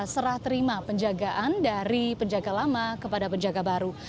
serah terima penjagaan dari penjaga lama kepada penjaga baru